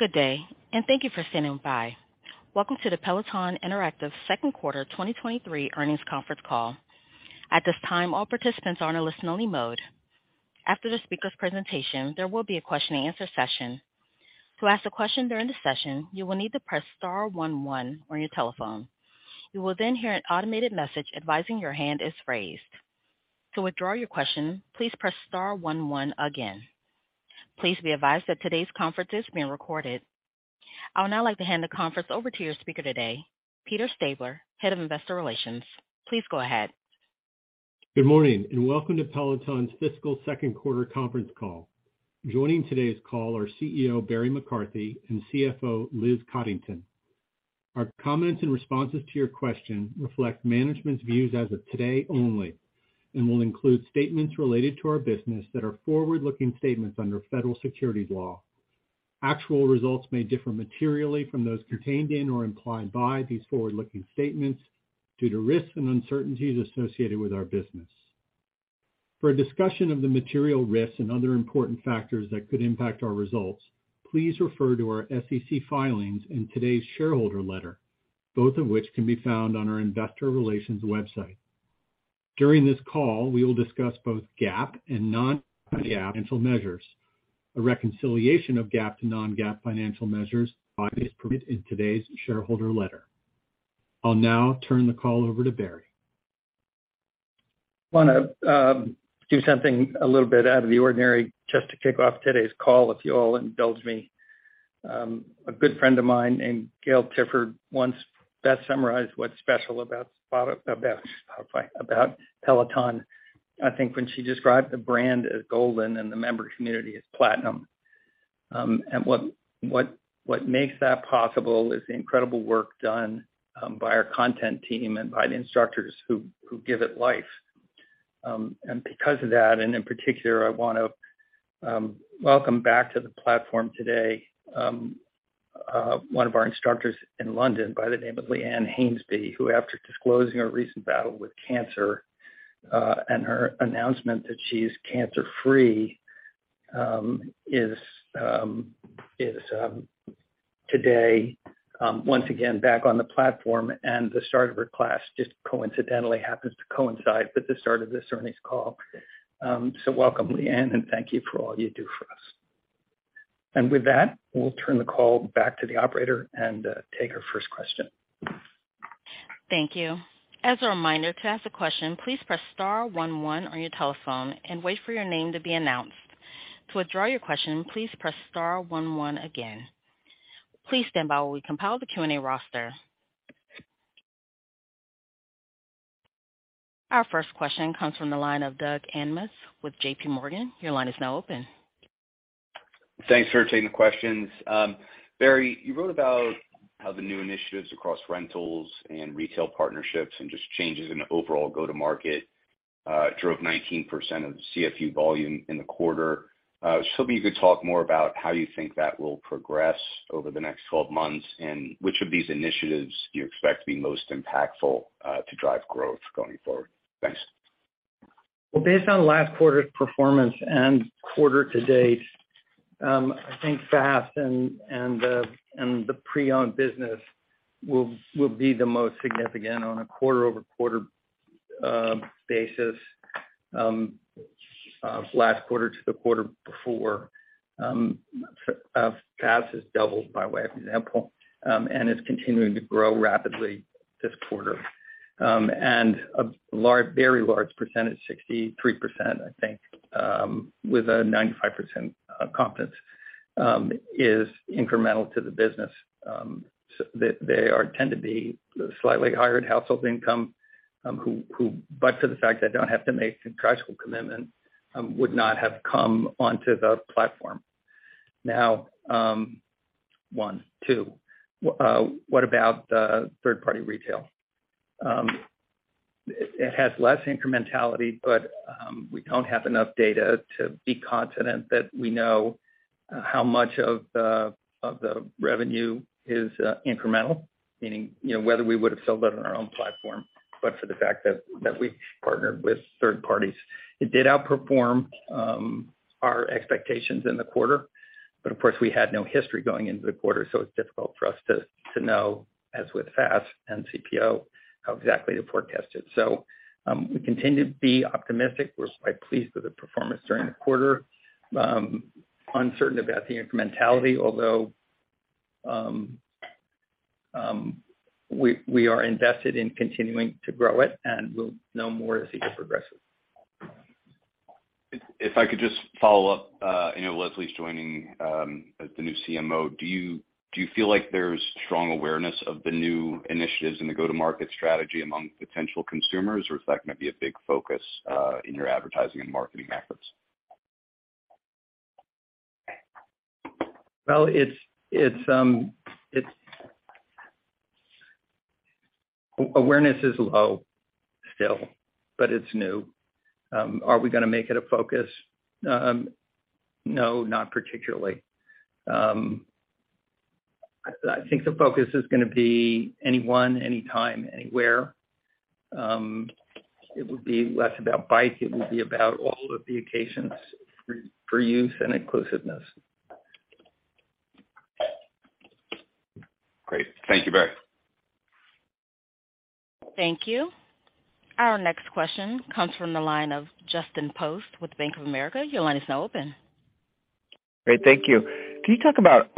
Good day. Thank you for standing by. Welcome to the Peloton Interactive second quarter 2023 earnings conference call. At this time, all participants are in a listen-only mode. After the speaker's presentation, there will be a question-and-answer session. To ask a question during the session, you will need to press star one one on your telephone. You will hear an automated message advising your hand is raised. To withdraw your question, please press star one one again. Please be advised that today's conference is being recorded. I would now like to hand the conference over to your speaker today, Peter Stabler, Head of Investor Relations. Please go ahead. Good morning, welcome to Peloton's fiscal 2nd quarter conference call. Joining today's call are CEO, Barry McCarthy, and CFO, Liz Coddington. Our comments and responses to your question reflect management's views as of today only and will include statements related to our business that are forward-looking statements under federal securities law. Actual results may differ materially from those contained in or implied by these forward-looking statements due to risks and uncertainties associated with our business. For a discussion of the material risks and other important factors that could impact our results, please refer to our SEC filings in today's shareholder letter, both of which can be found on our investor relations website. During this call, we will discuss both GAAP and non-GAAP financial measures. A reconciliation of GAAP to non-GAAP financial measures is provided in today's shareholder letter. I'll now turn the call over to Barry. Wanna do something a little bit out of the ordinary just to kick off today's call, if you all indulge me. A good friend of mine named Gail Tifford once best summarized what's special about Peloton, I think, when she described the brand as golden and the member community as platinum. What makes that possible is the incredible work done by our content team and by the instructors who give it life. Because of that, and in particular, I wanna welcome back to the platform today, one of our instructors in London by the name of Leanne Hainsby, who after disclosing her recent battle with cancer, and her announcement that she's cancer-free, is today once again back on the platform and the start of her class just coincidentally happens to coincide with the start of this earnings call. Welcome, Leanne, and thank you for all you do for us. With that, we'll turn the call back to the operator and take our first question. Thank you. As a reminder, to ask a question, please press star one one on your telephone and wait for your name to be announced. To withdraw your question, please press star one one again. Please stand by while we compile the Q&A roster. Our first question comes from the line of Doug Anmuth with JPMorgan. Your line is now open. Thanks for taking the questions. Barry, you wrote about how the new initiatives across rentals and retail partnerships and just changes in the overall go-to-market drove 19% of the CFU volume in the quarter. Just hoping you could talk more about how you think that will progress over the next 12 months, which of these initiatives do you expect to be most impactful to drive growth going forward? Thanks. Well, based on last quarter's performance and quarter to date, I think FaaS and the pre-owned business will be the most significant on a quarter-over-quarter basis last quarter to the quarter before. FaaS has doubled by way of example, and is continuing to grow rapidly this quarter. A large, very large percentage, 63%, I think, with a 95% confidence, is incremental to the business. They tend to be slightly higher in household income, who, but for the fact they don't have to make some practical commitment, would not have come onto the platform. Now, one. Two, what about third-party retail? It has less incrementality, but we don't have enough data to be confident that we know how much of the revenue is incremental, meaning, you know, whether we would have sold it on our own platform, but for the fact that we partnered with third parties. It did outperform our expectations in the quarter, but of course, we had no history going into the quarter, so it's difficult for us to know, as with FaaS and CPO, how exactly to forecast it. We continue to be optimistic. We're quite pleased with the performance during the quarter. Uncertain about the incrementality, although we are invested in continuing to grow it, and we'll know more as the year progresses. If I could just follow up. you know, Leslie's joining as the new CMO. Do you feel like there's strong awareness of the new initiatives in the go-to-market strategy among potential consumers, or is that gonna be a big focus in your advertising and marketing efforts? Well, awareness is low still, but it's new. Are we gonna make it a focus? I think the focus is gonna be anyone, anytime, anywhere. It would be less about bike, it would be about all of the occasions for use and inclusiveness. Great. Thank you, Barry. Thank you. Our next question comes from the line of Justin Post with Bank of America. Your line is now open. Great. Thank you. Can you talk about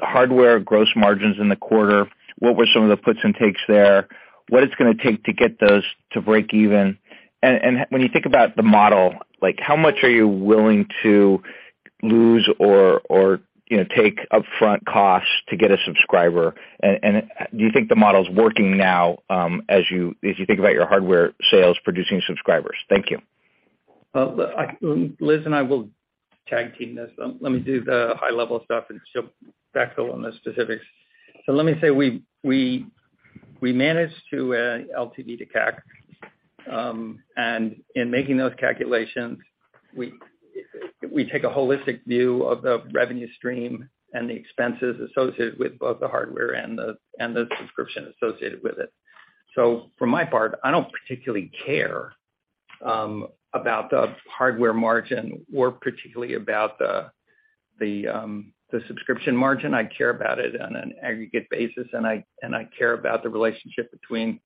hardware gross margins in the quarter? What were some of the puts and takes there? What it's gonna take to get those to break even? When you think about the model, like how much are you willing to lose or, you know, take upfront costs to get a subscriber? Do you think the model is working now, as you think about your hardware sales producing subscribers? Thank you. Liz and I will tag team this. Let me do the high level stuff, and she'll backfill on the specifics. Let me say we managed to LTV to CAC, and in making those calculations, we take a holistic view of the revenue stream and the expenses associated with both the hardware and the subscription associated with it. For my part, I don't particularly care about the hardware margin or particularly about the subscription margin. I care about it on an aggregate basis, and I care about the relationship between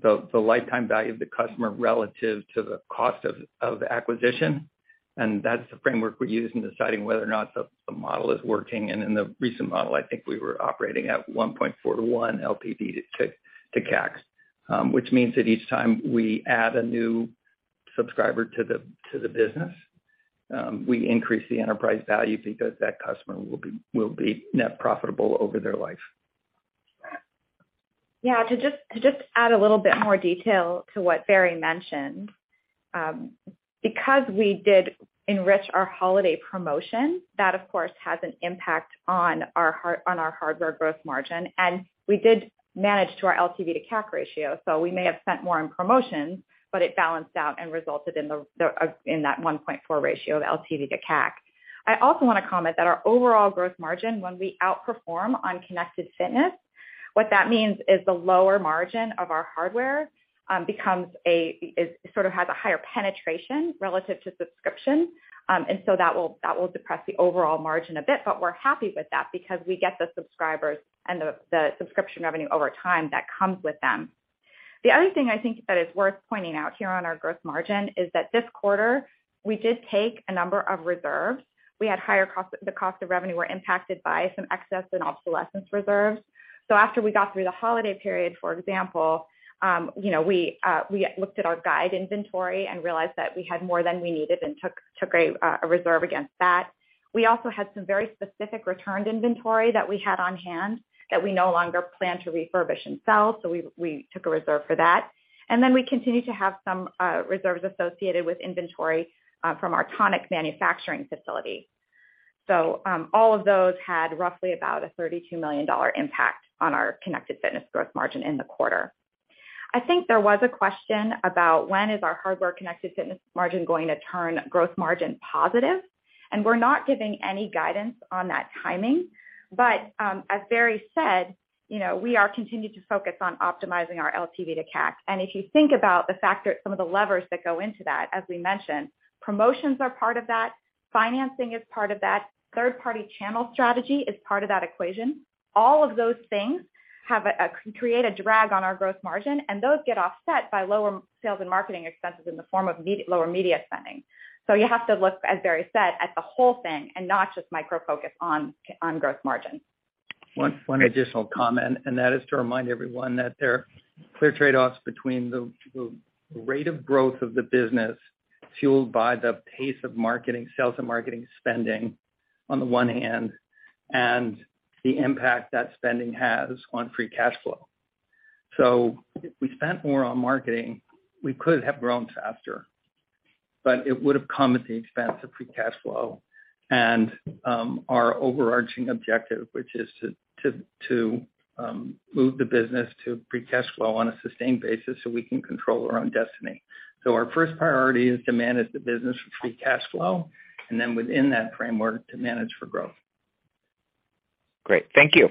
the lifetime value of the customer relative to the cost of acquisition. That's the framework we use in deciding whether or not the model is working. In the recent model, I think we were operating at 1.4 to 1 LTV to CAC, which means that each time we add a new subscriber to the business, we increase the enterprise value because that customer will be net profitable over their life. Yeah. To just add a little bit more detail to what Barry mentioned, because we did enrich our holiday promotion, that of course, has an impact on our hardware gross margin. We did manage to our LTV to CAC ratio, we may have spent more on promotions, but it balanced out and resulted in the in that 1.4 ratio of LTV to CAC. I also wanna comment that our overall gross margin when we outperform on Connected Fitness, what that means is the lower margin of our hardware, becomes sort of has a higher penetration relative to subscription. That will depress the overall margin a bit, but we're happy with that because we get the subscribers and the subscription revenue over time that comes with them. The other thing I think that is worth pointing out here on our gross margin is that this quarter, we did take a number of reserves. The cost of revenue were impacted by some excess and obsolescence reserves. After we got through the holiday period, for example, you know, we looked at our guide inventory and realized that we had more than we needed and took a reserve against that. We also had some very specific returned inventory that we had on hand that we no longer plan to refurbish and sell, so we took a reserve for that. We continued to have some reserves associated with inventory from our Tonic manufacturing facility. All of those had roughly about a $32 million impact on our Connected Fitness gross margin in the quarter. I think there was a question about when is our hardware Connected Fitness margin going to turn gross margin positive? We're not giving any guidance on that timing. As Barry said, you know, we are continuing to focus on optimizing our LTV to CAC. If you think about some of the levers that go into that, as we mentioned, promotions are part of that, financing is part of that, third-party channel strategy is part of that equation. All of those things create a drag on our gross margin, and those get offset by lower sales and marketing expenses in the form of lower media spending. You have to look, as Barry said, at the whole thing and not just micro-focus on growth margin. One additional comment. That is to remind everyone that there are clear trade-offs between the rate of growth of the business fueled by the pace of marketing, sales and marketing spending on the one hand, and the impact that spending has on free cash flow. If we spent more on marketing, we could have grown faster, but it would have come at the expense of free cash flow and our overarching objective, which is to move the business to free cash flow on a sustained basis so we can control our own destiny. Our first priority is to manage the business for free cash flow, and then within that framework, to manage for growth. Great. Thank you.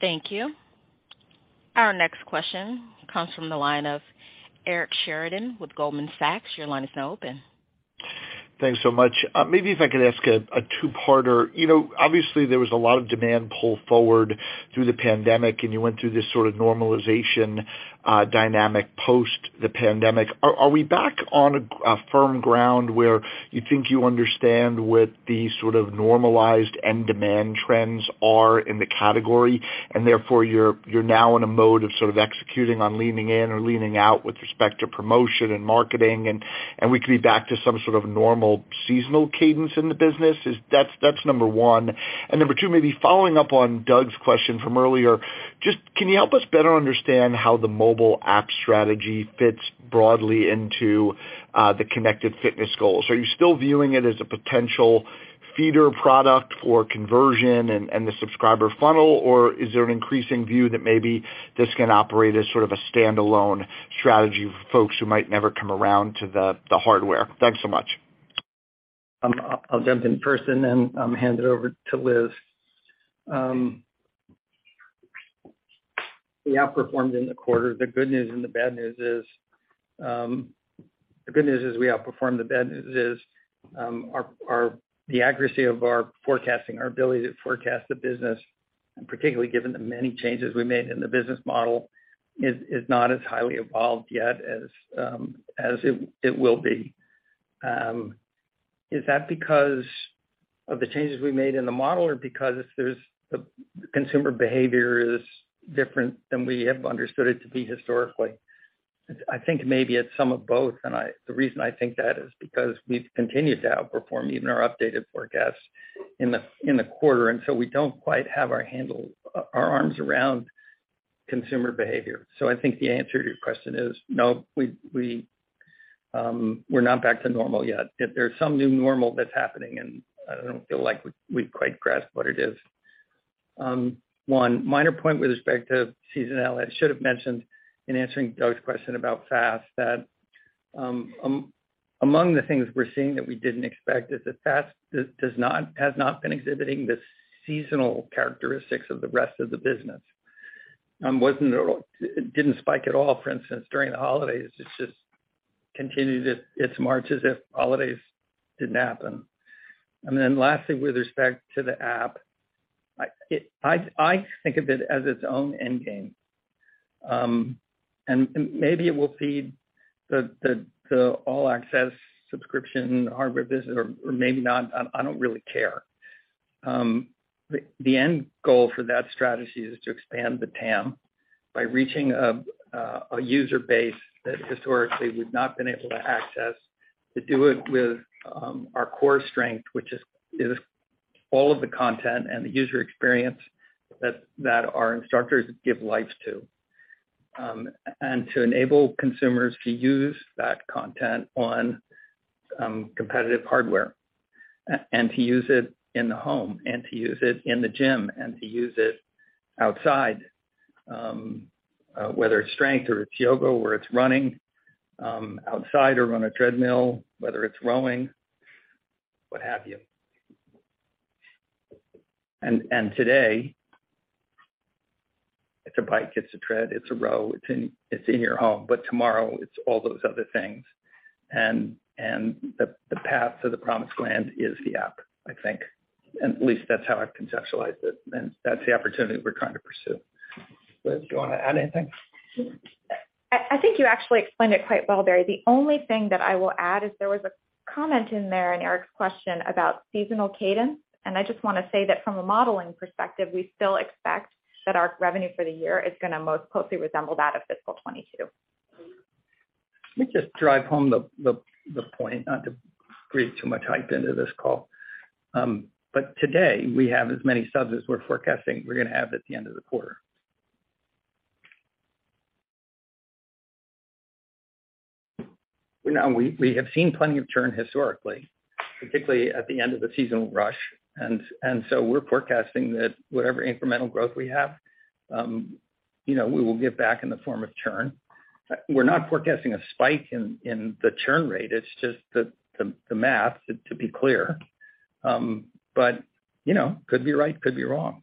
Thank you. Our next question comes from the line of Eric Sheridan with Goldman Sachs. Your line is now open. Thanks so much. Maybe if I could ask a two-parter. You know, obviously there was a lot of demand pull forward through the pandemic, and you went through this sort of normalization dynamic post the pandemic. Are we back on a firm ground where you think you understand what the sort of normalized end demand trends are in the category, and therefore you're now in a mode of sort of executing on leaning in or leaning out with respect to promotion and marketing, and we could be back to some sort of normal seasonal cadence in the business? That's number one. Number two, maybe following up on Doug's question from earlier, just can you help us better understand how the mobile app strategy fits broadly into the Connected Fitness goals? Are you still viewing it as a potential feeder product for conversion and the subscriber funnel, or is there an increasing view that maybe this can operate as sort of a standalone strategy for folks who might never come around to the hardware? Thanks so much. I'll jump in first, and then hand it over to Liz. We outperformed in the quarter. The good news and the bad news is the good news is we outperformed. The bad news is the accuracy of our forecasting, our ability to forecast the business, and particularly given the many changes we made in the business model is not as highly evolved yet as it will be. Is that because of the changes we made in the model or because there's the consumer behavior is different than we have understood it to be historically? I think maybe it's some of both. The reason I think that is because we've continued to outperform even our updated forecasts in the quarter, and so we don't quite have our handle, our arms around consumer behavior. I think the answer to your question is no, we're not back to normal yet. There's some new normal that's happening, and I don't feel like we've quite grasped what it is. One minor point with respect to seasonality. I should have mentioned in answering Doug's question about FaaS that among the things we're seeing that we didn't expect is that FaaS has not been exhibiting the seasonal characteristics of the rest of the business. It didn't spike at all, for instance, during the holidays. It's just continued its march as if holidays didn't happen. Lastly, with respect to the app, I think of it as its own end game. Maybe it will feed the All-Access subscription hardware business or maybe not. I don't really care. The end goal for that strategy is to expand the TAM by reaching a user base that historically we've not been able to access to do it with our core strength, which is all of the content and the user experience that our instructors give lives to. To enable consumers to use that content on competitive hardware and to use it in the home and to use it in the gym and to use it outside, whether it's strength or it's yoga or it's running, outside or on a treadmill, whether it's rowing, what have you. Today, it's a bike, it's a tread, it's a row, it's in your home. Tomorrow, it's all those other things. The path to the promised land is the app, I think. At least that's how I've conceptualized it, and that's the opportunity we're trying to pursue. Liz, do you wanna add anything? I think you actually explained it quite well, Barry. The only thing that I will add is there was a comment in there in Eric's question about seasonal cadence. I just wanna say that from a modeling perspective, we still expect that our revenue for the year is gonna most closely resemble that of fiscal 2022. Let me just drive home the point, not to create too much hype into this call. Today we have as many subs as we're forecasting we're gonna have at the end of the quarter. Now, we have seen plenty of churn historically, particularly at the end of the seasonal rush. So we're forecasting that whatever incremental growth we have, you know, we will give back in the form of churn. We're not forecasting a spike in the churn rate. It's just the math, to be clear. You know, could be right, could be wrong.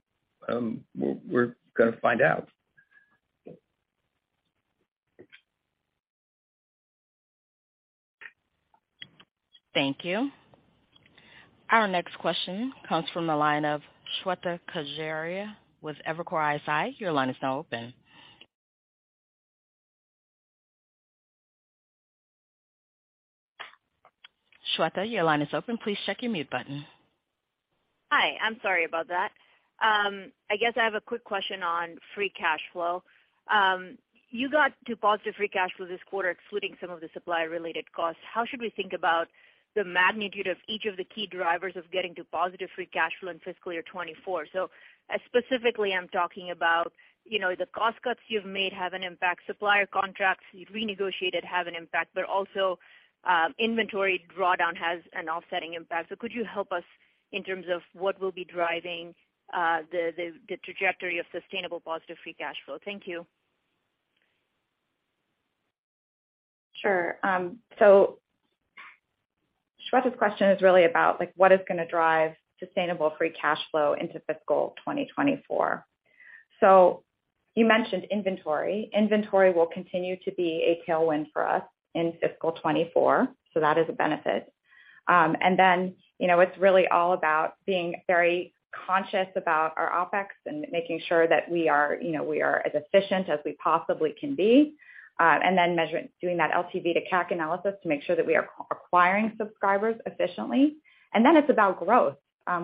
We're gonna find out. Thank you. Our next question comes from the line of Shweta Khajuria with Evercore ISI. Your line is now open. Shweta, your line is open. Please check your mute button. Hi, I'm sorry about that. I guess I have a quick question on free cash flow. You got to positive free cash flow this quarter, excluding some of the supply-related costs. How should we think about the magnitude of each of the key drivers of getting to positive free cash flow in fiscal year 24? Specifically, I'm talking about, you know, the cost cuts you've made have an impact, supplier contracts you've renegotiated have an impact, but also, inventory drawdown has an offsetting impact. Could you help us in terms of what will be driving the trajectory of sustainable positive free cash flow? Thank you. Shweta's question is really about, like, what is gonna drive sustainable free cash flow into fiscal 2024. You mentioned inventory. Inventory will continue to be a tailwind for us in fiscal 24. That is a benefit. Then, you know, it's really all about being very conscious about our OPEX and making sure that we are, you know, we are as efficient as we possibly can be, and then doing that LTV to CAC analysis to make sure that we are acquiring subscribers efficiently. Then it's about growth.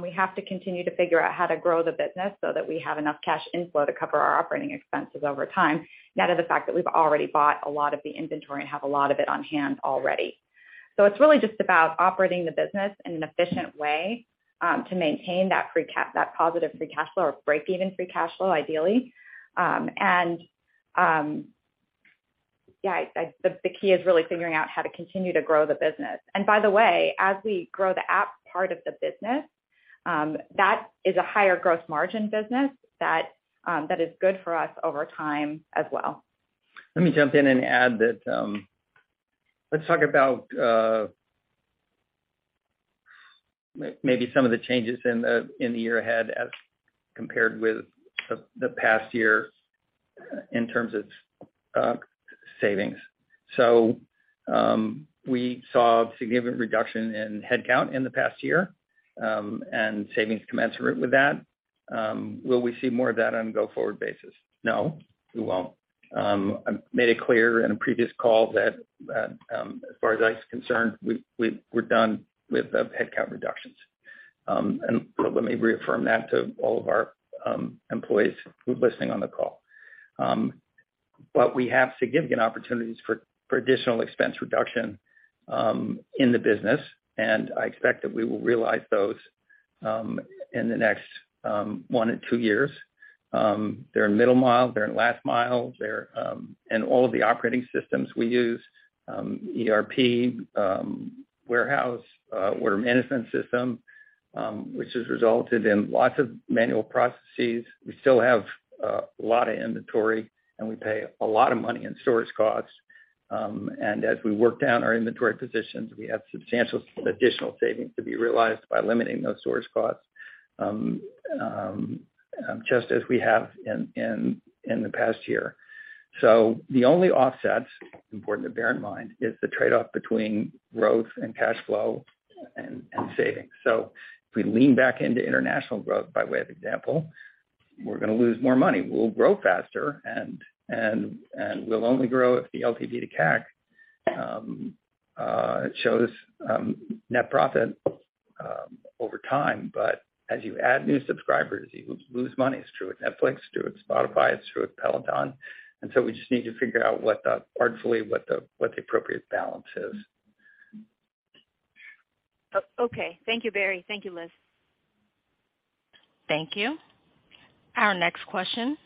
We have to continue to figure out how to grow the business so that we have enough cash inflow to cover our operating expenses over time. Net of the fact that we've already bought a lot of the inventory and have a lot of it on hand already. It's really just about operating the business in an efficient way to maintain that positive free cash flow or break even free cash flow, ideally. Yeah, the key is really figuring out how to continue to grow the business. By the way, as we grow the app part of the business, that is a higher growth margin business that is good for us over time as well. Let me jump in and add that, let's talk about maybe some of the changes in the year ahead as compared with the past year in terms of savings. We saw a significant reduction in headcount in the past year, and savings commensurate with that. Will we see more of that on a go-forward basis? No, we won't. I made it clear in a previous call that, as far as I'm concerned, we're done with the headcount reductions. And let me reaffirm that to all of our employees who are listening on the call. But we have significant opportunities for additional expense reduction in the business, and I expect that we will realize those in the next 1-2 years. They're in middle mile, they're in last mile, they're in all of the operating systems we use, ERP, warehouse, order management system, which has resulted in lots of manual processes. We still have a lot of inventory, and we pay a lot of money in storage costs. As we work down our inventory positions, we have substantial additional savings to be realized by limiting those storage costs, just as we have in the past year. The only offsets, important to bear in mind, is the trade-off between growth and cash flow and savings. If we lean back into international growth, by way of example, we're gonna lose more money. We'll grow faster and we'll only grow if the LTV to CAC shows net profit over time. As you add new subscribers, you lose money. It's true with Netflix, true with Spotify, it's true with Peloton. We just need to figure out artfully, what the appropriate balance is. Okay. Thank you, Barry. Thank you, Liz. Thank you. Our next question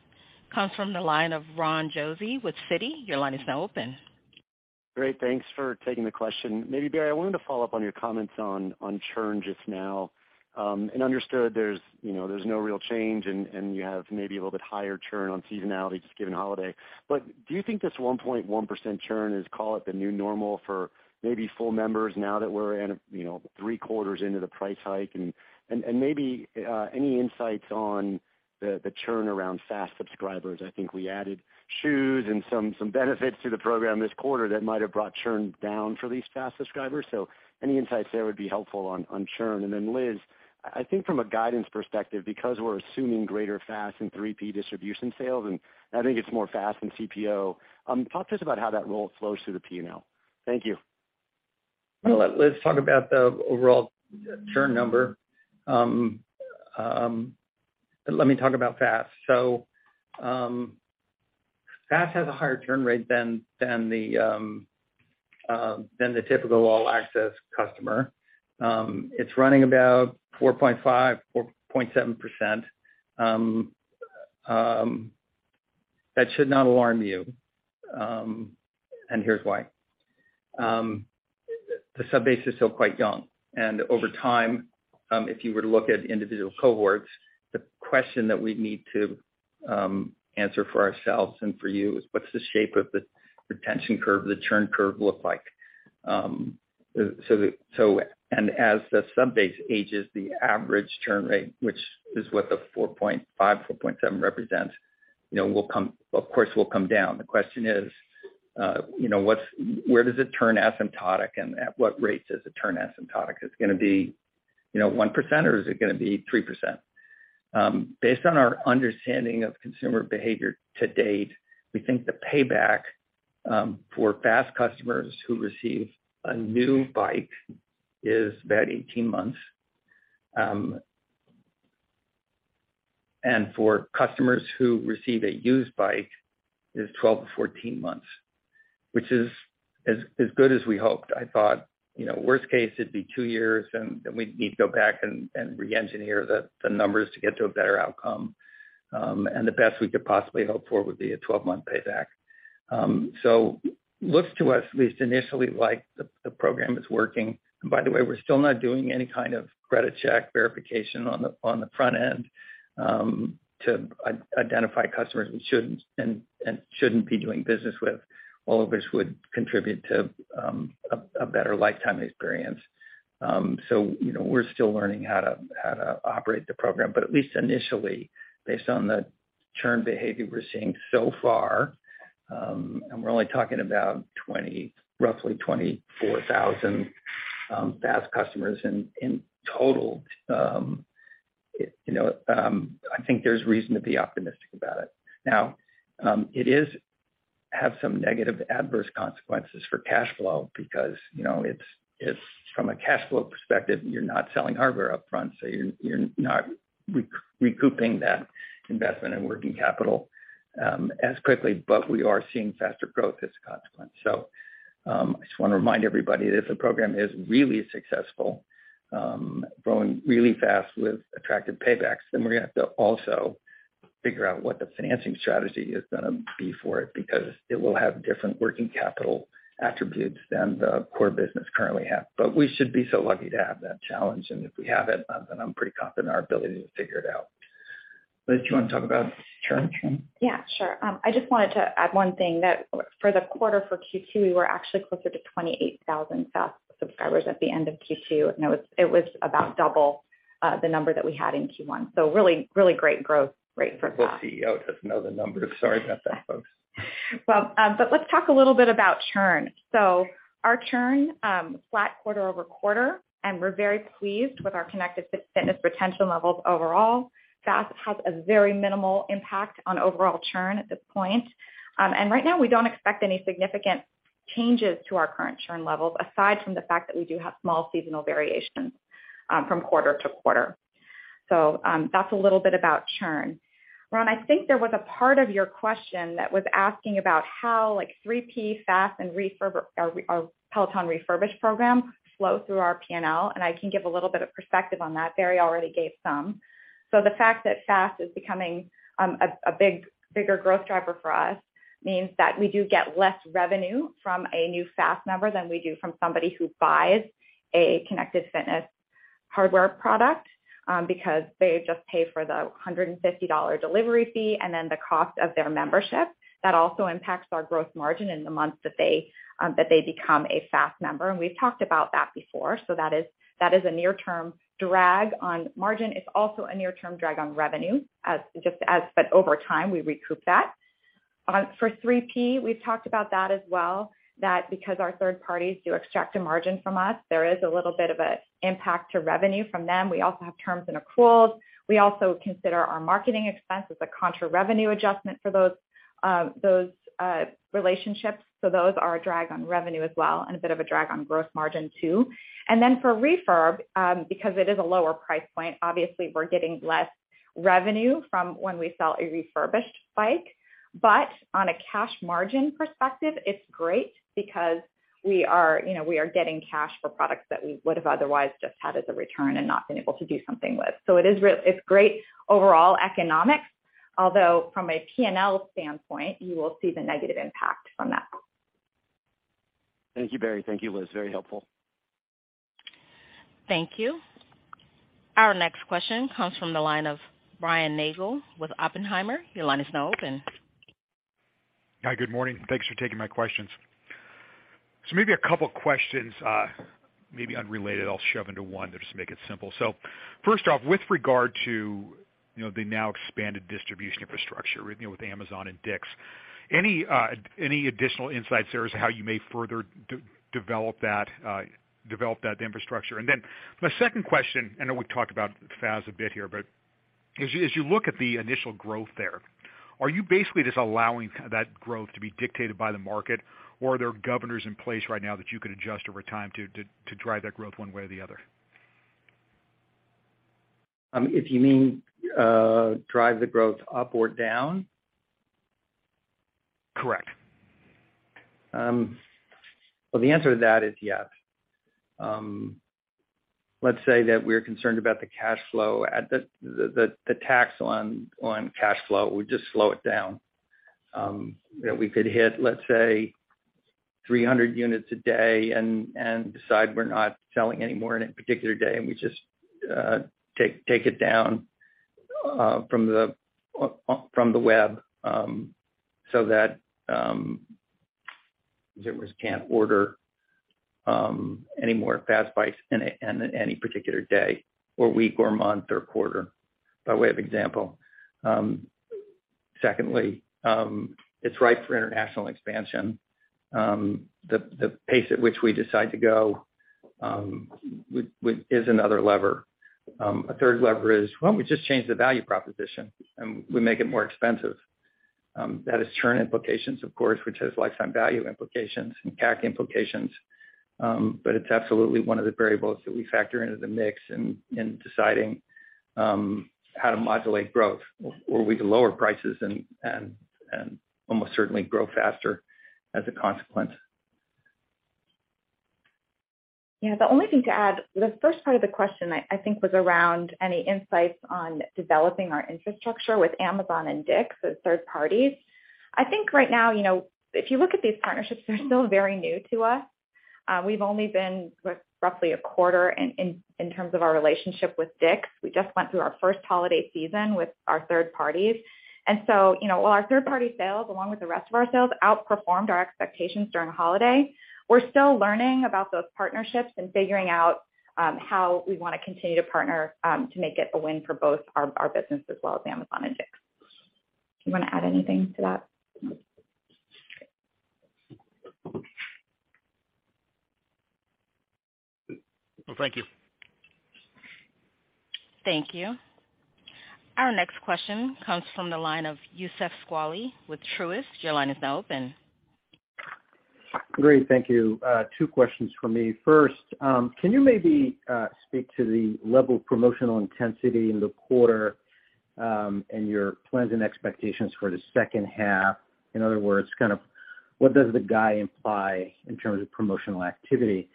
comes from the line of Ronald Josey with Citi. Your line is now open. Great. Thanks for taking the question. Maybe, Barry, I wanted to follow up on your comments on churn just now. Understood there's, you know, there's no real change and you have maybe a little bit higher churn on seasonality just given holiday. Do you think this 1.1% churn is, call it, the new normal for maybe full members now that we're in, you know, three quarters into the price hike? Maybe any insights on the churn around FaaS subscribers? I think we added shoes and some benefits to the program this quarter that might have brought churn down for these FaaS subscribers. Any insights there would be helpful on churn. Liz, I think from a guidance perspective, because we're assuming greater FaaS and 3P distribution sales, and I think it's more FaaS than CPO, talk to us about how that role flows through the P&L. Thank you. Well, let Liz talk about the overall churn number. Let me talk about FaaS. FaaS has a higher churn rate than the typical All-Access customer. It's running about 4.5%, 4.7%. That should not alarm you, and here's why. The sub base is still quite young, and over time, if you were to look at individual cohorts, the question that we'd need to answer for ourselves and for you is what's the shape of the retention curve, the churn curve look like? As the sub base ages, the average churn rate, which is what the 4.5%, 4.7% represents, you know, will come, of course, will come down. The question is, you know, where does it turn asymptotic, and at what rates does it turn asymptotic? Is it gonna be, you know, 1%, or is it gonna be 3%? Based on our understanding of consumer behavior to date, we think the payback for FaaS customers who receive a new bike is about 18 months. For customers who receive a used bike is 12-14 months, which is as good as we hoped. I thought, you know, worst case, it'd be two years, and then we'd need to go back and re-engineer the numbers to get to a better outcome. The best we could possibly hope for would be a 12-month payback. Looks to us at least initially like the program is working. By the way, we're still not doing any kind of credit check verification on the front end to identify customers we shouldn't and shouldn't be doing business with, all of which would contribute to a better lifetime experience. You know, we're still learning how to operate the program, but at least initially, based on the churn behavior we're seeing so far, we're only talking about 24,000 FaaS customers in total, you know, I think there's reason to be optimistic about it. It is have some negative adverse consequences for cash flow because, you know, it's from a cash flow perspective, you're not selling hardware upfront, so you're not recouping that investment in working capital as quickly, but we are seeing faster growth as a consequence. I just wanna remind everybody, if the program is really successful, growing really fast with attractive paybacks, then we're gonna have to also figure out what the financing strategy is gonna be for it, because it will have different working capital attributes than the core business currently have. We should be so lucky to have that challenge, and if we have it, then I'm pretty confident in our ability to figure it out. Liz, you want to talk about churn? Yeah, sure. I just wanted to add one thing that for the quarter for Q2, we were actually closer to 28,000 FaaS subscribers at the end of Q2, and it was about double, the number that we had in Q1. Really, really great growth rate for FaaS. The CEO doesn't know the numbers. Sorry about that, folks. Let's talk a little bit about churn. Our churn flat quarter-over-quarter, and we're very pleased with our Connected Fitness retention levels overall. FaaS has a very minimal impact on overall churn at this point. Right now, we don't expect any significant changes to our current churn levels, aside from the fact that we do have small seasonal variations from quarter to quarter. That's a little bit about churn. Ron, I think there was a part of your question that was asking about how like 3P FaaS and or Peloton refurbished program flow through our P&L, and I can give a little bit of perspective on that. Barry already gave some. The fact that FaaS is becoming a bigger growth driver for us means that we do get less revenue from a new FaaS member than we do from somebody who buys a Connected Fitness hardware product, because they just pay for the $150 delivery fee and then the cost of their membership. That also impacts our growth margin in the months that they become a FaaS member. We've talked about that before. That is a near-term drag on margin. It's also a near-term drag on revenue but over time, we recoup that. For 3P, we've talked about that as well, that because our third parties do extract a margin from us, there is a little bit of a impact to revenue from them. We also have terms and accruals. We also consider our marketing expense as a contra revenue adjustment for those relationships. Those are a drag on revenue as well and a bit of a drag on gross margin too. For refurb, because it is a lower price point, obviously we're getting less revenue from when we sell a refurbished bike. On a cash margin perspective, it's great because we are, you know, we are getting cash for products that we would have otherwise just had as a return and not been able to do something with. It's great overall economics, although from a P&L standpoint, you will see the negative impact from that. Thank you, Barry. Thank you, Liz. Very helpful. Thank you. Our next question comes from the line of Brian Nagel with Oppenheimer. Your line is now open. Hi, good morning. Thanks for taking my questions. Maybe a couple questions, maybe unrelated, I'll shove into one just to make it simple. First off, with regard to, you know, the now expanded distribution infrastructure with, you know, with Amazon and Dick's, any additional insights there as to how you may further develop that infrastructure? My second question, I know we've talked about FaaS a bit here, but as you look at the initial growth there, are you basically just allowing that growth to be dictated by the market, or are there governors in place right now that you could adjust over time to drive that growth one way or the other? If you mean, drive the growth up or down? Correct. Well, the answer to that is yes. Let's say that we're concerned about the cash flow at the tax on cash flow. We just slow it down. You know, we could hit, let's say, 300 units a day and decide we're not selling any more in a particular day, and we just take it down from the from the web, so that distributors can't order any more Fast bikes in any particular day or week or month or quarter, by way of example. Secondly, it's ripe for international expansion. The pace at which we decide to go is another lever. A third lever is, well, we just change the value proposition and we make it more expensive. That has churn implications, of course, which has lifetime value implications and CAC implications. It's absolutely one of the variables that we factor into the mix in deciding how to modulate growth, or we could lower prices and almost certainly grow faster as a consequence. Yeah. The only thing to add, the first part of the question I think was around any insights on developing our infrastructure with Amazon and Dick's as third parties. I think right now, you know, if you look at these partnerships, they're still very new to us. We've only been, what, roughly a quarter in terms of our relationship with Dick's. We just went through our first holiday season with our third parties. While our third party sales along with the rest of our sales outperformed our expectations during holiday, we're still learning about those partnerships and figuring out how we wanna continue to partner to make it a win for both our business as well as Amazon and Dick's. Do you wanna add anything to that? No. Well, thank you. Thank you. Our next question comes from the line of Youssef Squali with Truist. Your line is now open. Great. Thank you. Two questions for me. First, can you maybe speak to the level of promotional intensity in the quarter, and your plans and expectations for the second half? In other words, kind of what does the guide imply in terms of promotional activity?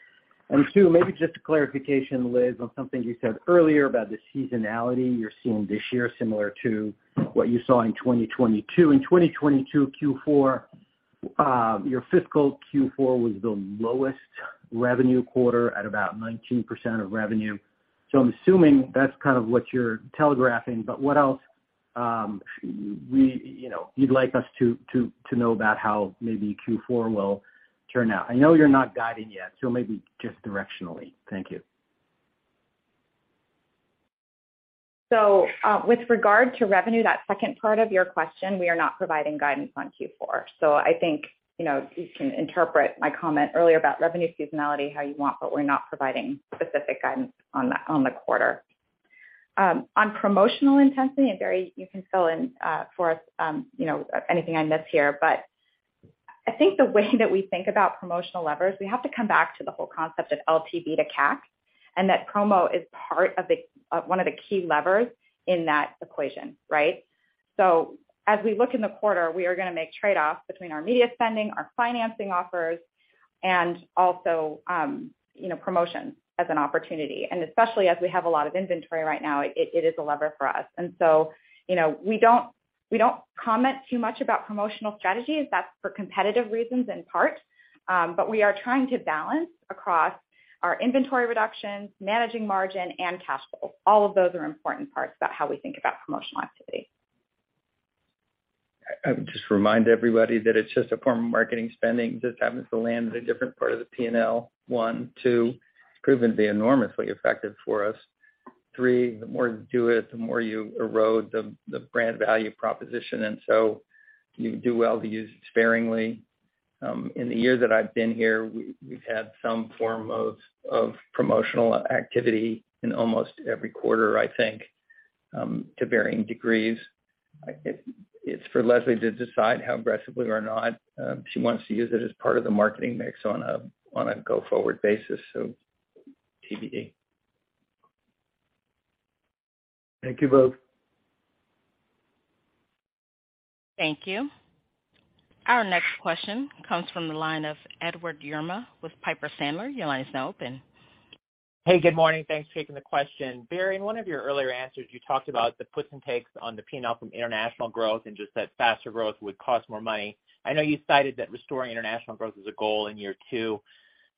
Two, maybe just a clarification, Liz, on something you said earlier about the seasonality you're seeing this year, similar to what you saw in 2022. In 2022 Q4, your fiscal Q4 was the lowest revenue quarter at about 19% of revenue. I'm assuming that's kind of what you're telegraphing, but what else, you know, you'd like us to know about how maybe Q4 will turn out? I know you're not guiding yet, so maybe just directionally. Thank you. With regard to revenue, that second part of your question, we are not providing guidance on Q4. I think, you know, you can interpret my comment earlier about revenue seasonality how you want, but we're not providing specific guidance on the quarter. On promotional intensity, Barry, you can fill in for us, you know, anything I miss here. I think the way that we think about promotional levers, we have to come back to the whole concept of LTV to CAC, and that promo is part of one of the key levers in that equation, right? As we look in the quarter, we are gonna make trade-offs between our media spending, our financing offers, and also, you know, promotions as an opportunity. Especially as we have a lot of inventory right now, it is a lever for us. You know, we don't comment too much about promotional strategies. That's for competitive reasons in part. We are trying to balance across our inventory reductions, managing margin, and cash flow. All of those are important parts about how we think about promotional activity. I would just remind everybody that it's just a form of marketing spending. Just happens to land in a different part of the P&L. One. Two, it's proven to be enormously effective for us. Three, the more you do it, the more you erode the brand value proposition. You do well to use it sparingly. In the year that I've been here, we've had some form of promotional activity in almost every quarter, I think, to varying degrees. I think it's for Leslie to decide how aggressively or not, she wants to use it as part of the marketing mix on a go-forward basis. TBD. Thank you both. Thank you. Our next question comes from the line of Edward Yruma with Piper Sandler. Your line is now open. Hey, good morning. Thanks for taking the question. Barry, in one of your earlier answers, you talked about the puts and takes on the P&L from international growth and just that faster growth would cost more money. I know you cited that restoring international growth is a goal in year two.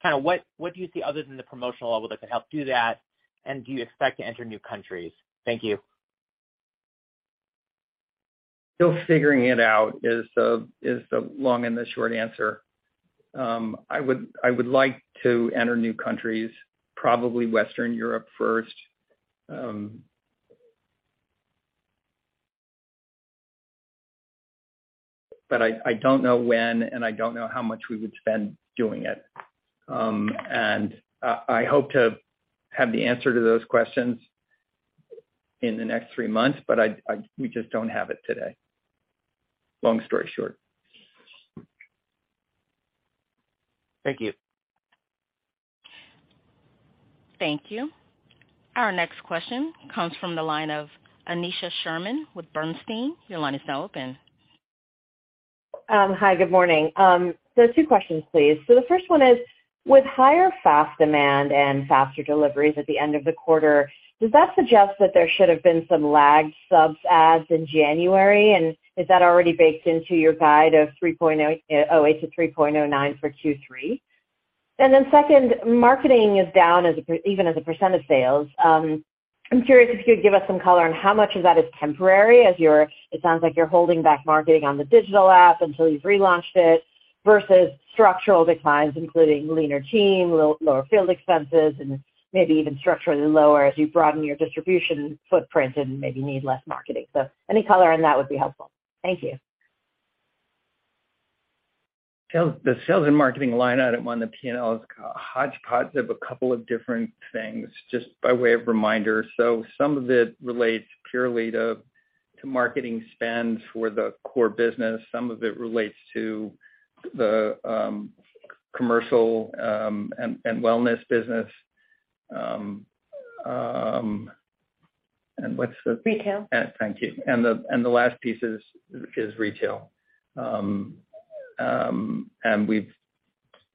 Kind of what do you see other than the promotional level that could help do that? And do you expect to enter new countries? Thank you. Still figuring it out is the long and the short answer. I would like to enter new countries, probably Western Europe first. I don't know when, and I don't know how much we would spend doing it. And I hope to have the answer to those questions in the next three months, but we just don't have it today. Long story short. Thank you. Thank you. Our next question comes from the line of Aneesha Sherman with Bernstein. Your line is now open. Hi, good morning. Two questions, please. The first one is, with higher FaaS demand and faster deliveries at the end of the quarter, does that suggest that there should have been some lagged subs adds in January? Is that already baked into your guide of 3.08 to 3.09 for Q3? Second, marketing is down even as a % of sales. I'm curious if you could give us some color on how much of that is temporary it sounds like you're holding back marketing on the digital app until you've relaunched it versus structural declines, including leaner team, lower field expenses, and maybe even structurally lower as you broaden your distribution footprint and maybe need less marketing. Any color on that would be helpful. Thank you. The sales and marketing line item on the P&L is a hodgepodge of a couple of different things, just by way of reminder. Some of it relates purely to marketing spend for the core business. Some of it relates to the commercial and wellness business. Retail. Thank you. The last piece is retail.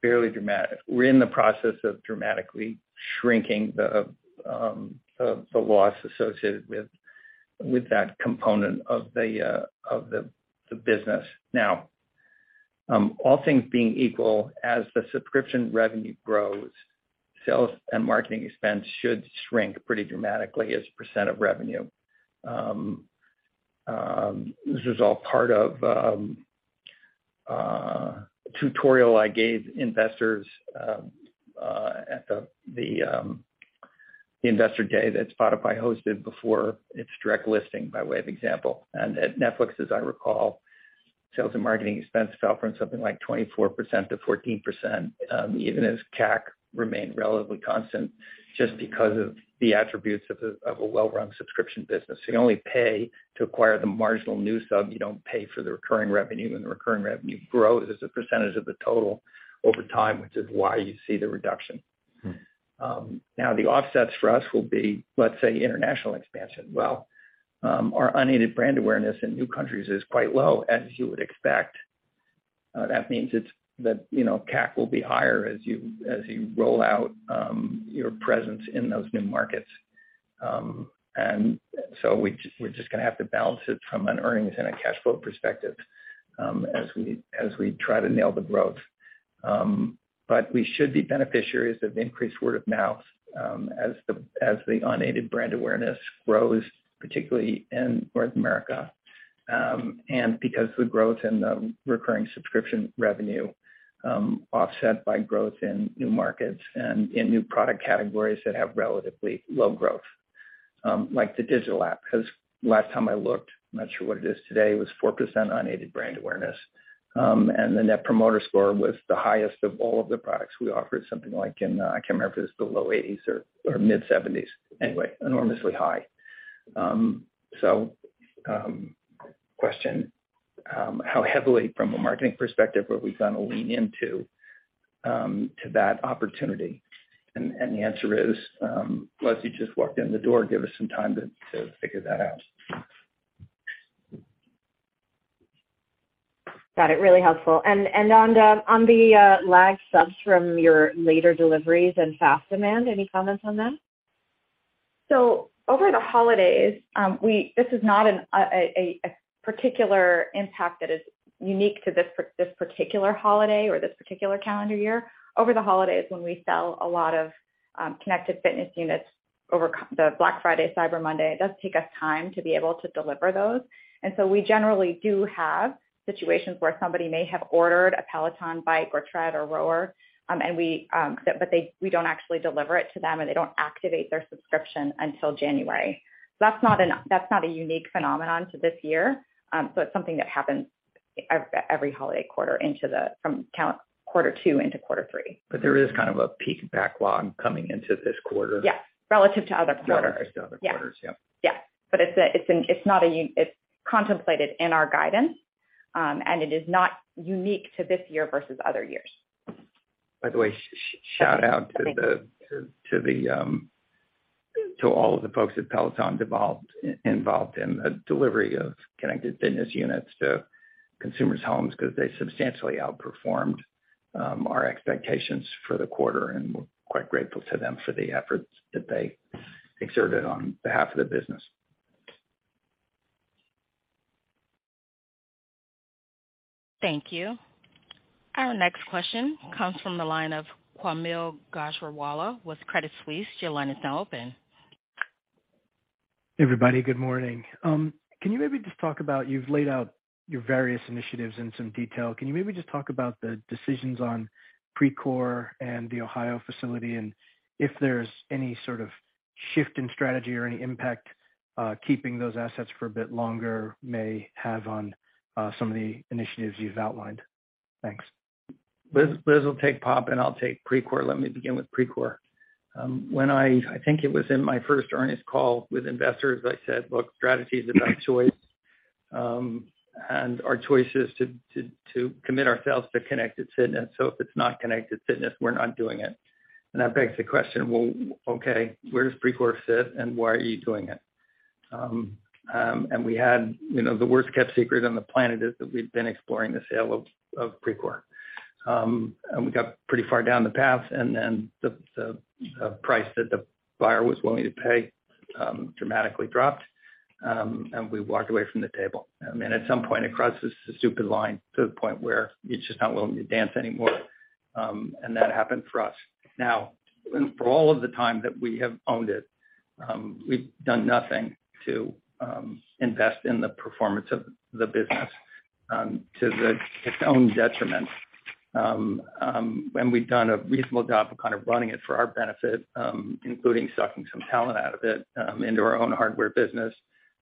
We're in the process of dramatically shrinking the loss associated with that component of the business. Now, all things being equal, as the subscription revenue grows, sales and marketing expense should shrink pretty dramatically as a percent of revenue. This is all part of a tutorial I gave investors at the investor day that Spotify hosted before its direct listing, by way of example. At Netflix, as I recall, sales and marketing expense fell from something like 24%-14%, even as CAC remained relatively constant just because of the attributes of a well-run subscription business. You only pay to acquire the marginal new sub, you don't pay for the recurring revenue, and the recurring revenue grows as a percentage of the total over time, which is why you see the reduction. Now the offsets for us will be, let's say, international expansion. Well, our unaided brand awareness in new countries is quite low, as you would expect. That means that, you know, CAC will be higher as you roll out, your presence in those new markets. We just, we're just gonna have to balance it from an earnings and a cash flow perspective, as we try to nail the growth. We should be beneficiaries of increased word of mouth, as the unaided brand awareness grows, particularly in North America, because the growth in the recurring subscription revenue, offset by growth in new markets and in new product categories that have relatively low growth, like the digital app. Last time I looked, I'm not sure what it is today, it was 4% unaided brand awareness. The Net Promoter Score was the highest of all of the products we offered, something like in, I can't remember if it was the low 80s or mid-70s. Enormously high. Question, how heavily from a marketing perspective are we gonna lean into to that opportunity? The answer is, Leslie just walked in the door, give us some time to figure that out. Got it. Really helpful. On the lagged subs from your later deliveries and FaaS demand, any comments on that? Over the holidays, this is not a particular impact that is unique to this particular holiday or this particular calendar year. Over the holidays when we sell a lot of Connected Fitness units over the Black Friday, Cyber Monday, it does take us time to be able to deliver those. We generally do have situations where somebody may have ordered a Peloton bike or tread or rower, but they don't actually deliver it to them, and they don't activate their subscription until January. That's not a unique phenomenon to this year. It's something that happens every holiday quarter into the, from quarter two into quarter three. There is kind of a peak backlog coming into this quarter. Yeah, relative to other quarters. Relative to other quarters. Yeah. Yeah. Yeah. It's contemplated in our guidance, and it is not unique to this year versus other years. By the way, shout out to the, to all of the folks at Peloton involved in the delivery of Connected Fitness units to consumers' homes 'cause they substantially outperformed our expectations for the quarter, and we're quite grateful to them for the efforts that they exerted on behalf of the business. Thank you. Our next question comes from the line of Kaumil Gajrawala with Credit Suisse. Your line is now open. Everybody, good morning. Can you maybe just talk about, you've laid out your various initiatives in some detail. Can you maybe just talk about the decisions on Precor and the Ohio facility and if there's any sort of shift in strategy or any impact, keeping those assets for a bit longer may have on some of the initiatives you've outlined? Thanks. Liz will take POP and I'll take Precor. Let me begin with Precor. When I think it was in my first earnings call with investors, I said, "Look, strategy is about choice, and our choice is to commit ourselves to Connected Fitness. If it's not Connected Fitness, we're not doing it." That begs the question, well, okay, where does Precor fit and why are you doing it? We had, you know, the worst kept secret on the planet is that we've been exploring the sale of Precor. We got pretty far down the path and then the price that the buyer was willing to pay, dramatically dropped, and we walked away from the table. I mean, at some point it crosses a stupid line to the point where it's just not willing to dance anymore. That happened for us. Now, for all of the time that we have owned it, we've done nothing to invest in the performance of the business, to its own detriment. We've done a reasonable job of kind of running it for our benefit, including sucking some talent out of it, into our own hardware business.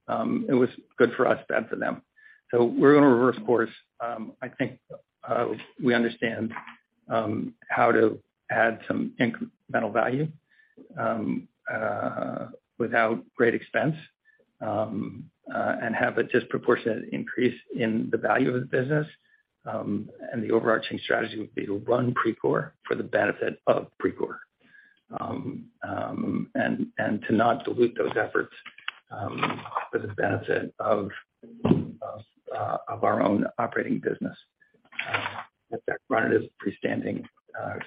It was good for us, bad for them. We're gonna reverse course. I think, we understand how to add some incremental value without great expense and have a disproportionate increase in the value of the business. The overarching strategy would be to run Precor for the benefit of Precor. To not dilute those efforts, for the benefit of our own operating business. Let that run as a freestanding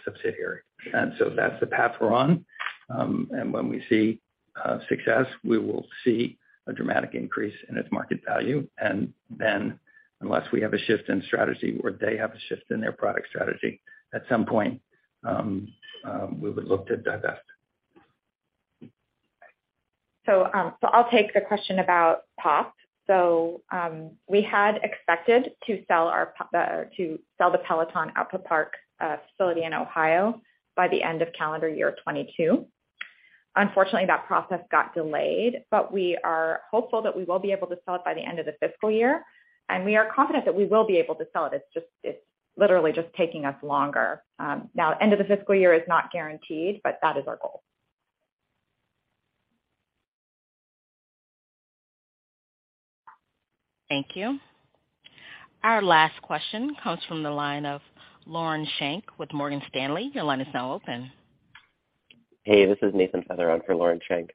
subsidiary. That's the path we're on, and when we see success, we will see a dramatic increase in its market value. Unless we have a shift in strategy or they have a shift in their product strategy, at some point, we would look to divest. I'll take the question about POP. We had expected to sell our pop, to sell the Peloton output park facility in Ohio by the end of calendar year 2022. Unfortunately, that process got delayed, we are hopeful that we will be able to sell it by the end of the fiscal year, and we are confident that we will be able to sell it. It's just, it's literally just taking us longer. Now end of the fiscal year is not guaranteed, that is our goal. Thank you. Our last question comes from the line of Lauren Schenk with Morgan Stanley. Your line is now open. Hey, this is Nate Feather. I'm for Lauren Schenk.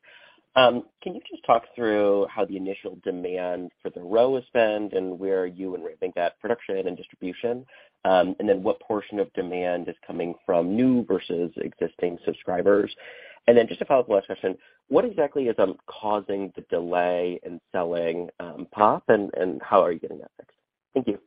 Can you just talk through how the initial demand for the Peloton Row has been and where you would think that production and distribution, and then what portion of demand is coming from new versus existing subscribers? Just a follow-up question, what exactly is causing the delay in selling POP and how are you getting that fixed? Thank you.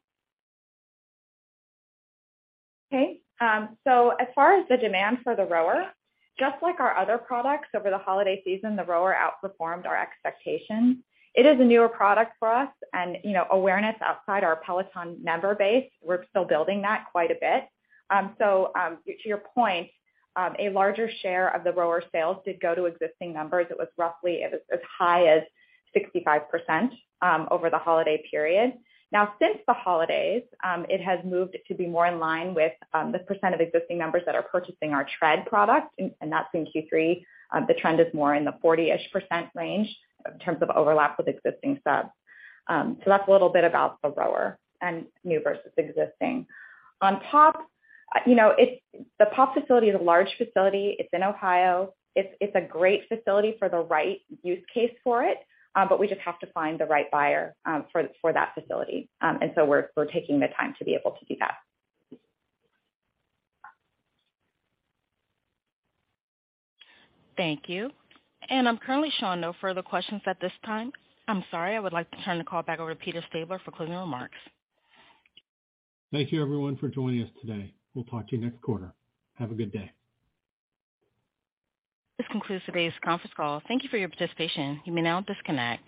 Okay. As far as the demand for the Rower, just like our other products over the holiday season, the Rower outperformed our expectations. It is a newer product for us and, you know, awareness outside our Peloton member base, we're still building that quite a bit. To your point, a larger share of the Rower sales did go to existing members. It was roughly, it was as high as 65%, over the holiday period. Now, since the holidays, it has moved to be more in line with the percent of existing members that are purchasing our Tread product, and that's in Q3. The trend is more in the 40-ish% range in terms of overlap with existing subs. That's a little bit about the Rower and new versus existing. On POP, you know, it's the POP facility is a large facility. It's in Ohio. It's a great facility for the right use case for it, but we just have to find the right buyer, for that facility. We're taking the time to be able to do that. Thank you. I'm currently showing no further questions at this time. I'm sorry. I would like to turn the call back over to Peter Stabler for closing remarks. Thank you everyone for joining us today. We'll talk to you next quarter. Have a good day. This concludes today's conference call. Thank You for your participation. You may now disconnect.